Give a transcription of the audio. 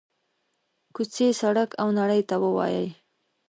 کوڅې، سړک او نړۍ ته ووايي: